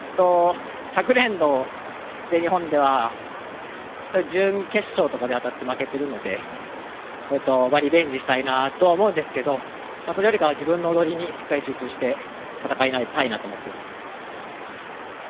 昨年度の全日本では準決勝とかで当たって負けてるのでリベンジしたいなとは思うんですけどそれよりかは自分の踊りにしっかり集中して戦いたいなと思ってます。